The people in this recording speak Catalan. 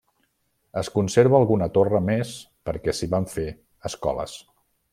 Es conserva alguna torre més perquè s'hi van fer escoles.